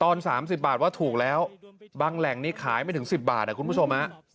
๓๐บาทว่าถูกแล้วบางแหล่งนี่ขายไม่ถึง๑๐บาทคุณผู้ชม